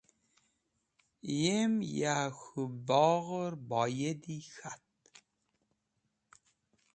Yem ya k̃hũ bogher baydi k̃hat.